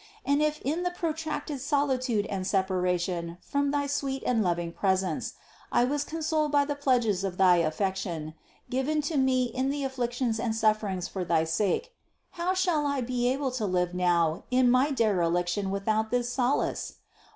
And if in the protracted solitude and separation from thy sweet and loving presence, I was consoled by the pledges of thy affection, given to me in the afflictions and sufferings for thy sake, how shall I be able to live now in my dereliction without this solace